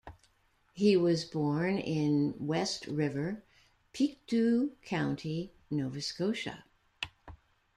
He was born in West River, Pictou County, Nova Scotia.